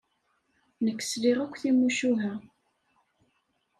Nekk sliɣ akk timucuha.